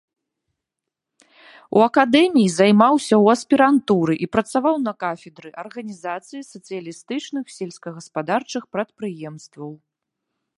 У акадэміі займаўся ў аспірантуры і працаваў на кафедры арганізацыі сацыялістычных сельскагаспадарчых прадпрыемстваў.